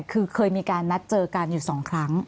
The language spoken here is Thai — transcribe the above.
คือเคยมีการนัดเจอกันอยู่๒ครั้ง